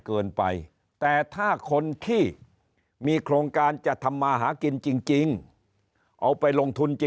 เกินไปแต่ถ้าคนที่มีโครงการจะทำมาหากินจริงเอาไปลงทุน